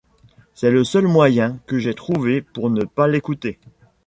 C'est le seul moyen que j'ai trouvé pour ne pas l'écouter.